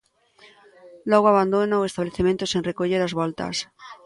Logo abandona o establecemento sen recoller as voltas.